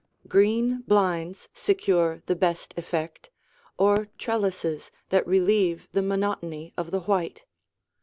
Green blinds secure the best effect, or trellises that relieve the monotony of the white.